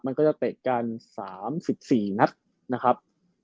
มันก็จะเตะกัน๓๔นัดนะครับ